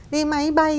đi máy bay